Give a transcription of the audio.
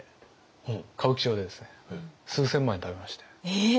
え！？